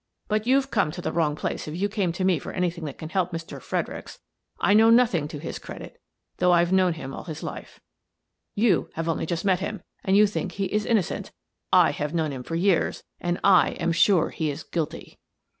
But you've come to the wrong place, if you come to me for any thing that can help Mr. Fredericks. I know nothing to his credit, though I've known him all his life. You have only just met him and you think he is innocent. I have known him for years, and I am sure he is guilty."